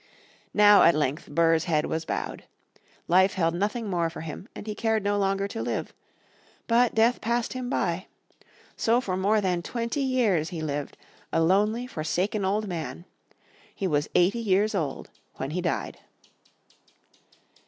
Now at length Burr's head was bowed. Life held nothing more for him, and he cared no longer to live. But death passed him by. So for more than twenty years he lived, a lonely forsaken old man. He was eighty years old when he died.